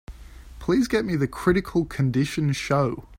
Please get me the Critical Condition show.